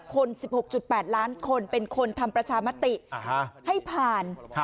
๑๖๘ล้านคนเป็นคนทำประชามติให้ผ่าน